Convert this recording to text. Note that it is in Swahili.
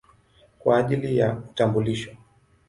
kwa ajili ya utambulisho.